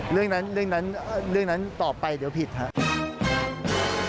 เรื่องนั้นเรื่องนั้นตอบไปเดี๋ยวผิดครับ